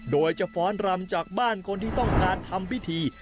โดยจะฟ้อนรำจากบ้านคนที่ต้องการทำพิธี